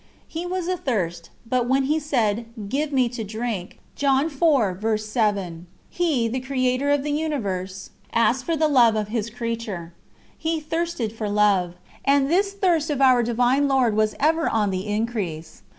He was athirst, but when He said: "Give me to drink," He, the Creator of the Universe, asked for the love of His creature. He thirsted for love. And this thirst of Our Divine Lord was ever on the increase.